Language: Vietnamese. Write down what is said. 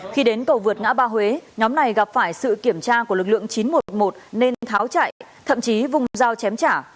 khi đến cầu vượt ngã ba huế nhóm này gặp phải sự kiểm tra của lực lượng chín trăm một mươi một nên tháo chạy thậm chí vùng dao chém trả